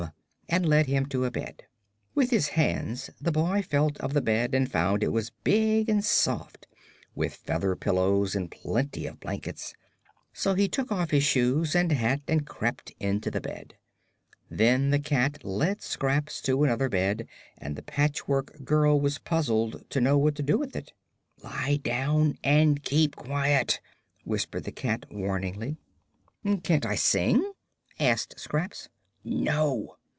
and led him to a bed. With his hands the boy felt of the bed and found it was big and soft, with feather pillows and plenty of blankets. So he took off his shoes and hat and crept into the bed. Then the cat led Scraps to another bed and the Patchwork Girl was puzzled to know what to do with it. "Lie down and keep quiet," whispered the cat, warningly. "Can't I sing?" asked Scraps. "No."